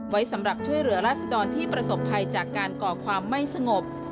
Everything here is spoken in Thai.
ไว้สำหรับช่วยเหลือราศดรที่ประสบภัยจากการก่อความไม่สงบ